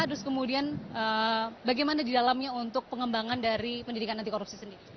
terus kemudian bagaimana di dalamnya untuk pengembangan dari pendidikan anti korupsi sendiri